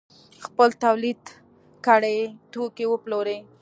خپل تولید کړي توکي وپلوري.